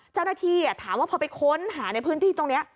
เจ้าหน้าที่ถามว่าพอไปค้นหาในพื้นที่ตรงนี้